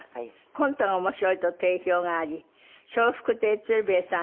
コントが面白いと定評があり笑福亭鶴瓶さん